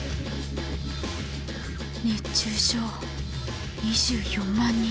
熱中症２４万人。